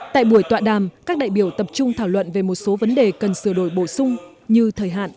tại buổi tọa đàm các đại biểu tập trung thảo luận về một số vấn đề cần sửa đổi bổ sung như thời hạn